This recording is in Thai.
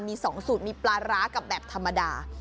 มี๒สูตรมีปลาร้ากับแบบธรรมดา